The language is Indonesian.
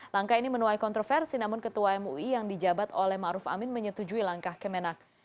langkah ini menuai kontroversi namun ketua mui yang dijabat oleh ⁇ maruf ⁇ amin menyetujui langkah kemenak